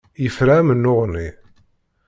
Yefra amennuɣ-nni.